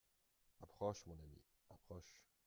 Approche, mon ami, approche.